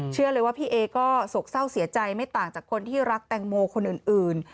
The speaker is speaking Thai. เชื่อเลยว่าพี่เอก็โศกเศร้าเสียใจไม่ต่างจากคนที่รักแตงโมคนอื่น